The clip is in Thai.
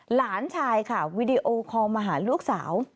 หลานชายค่ะวีดีโอคอลมาหาลูกสาว